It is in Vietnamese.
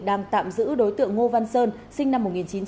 đang tạm giữ đối tượng ngô văn sơn sinh năm một nghìn chín trăm tám mươi